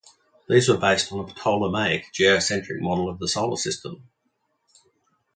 These were based on a Ptolemaic, geocentric model of the solar system.